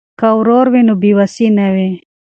که ورور وي نو بې وسي نه وي.